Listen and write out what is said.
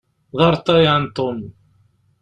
D arṭayan Tom.